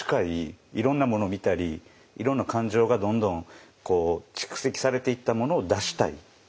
いろんなものを見たりいろんな感情がどんどん蓄積されていったものを出したい。